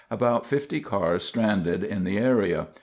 About 50 cars stranded in the area.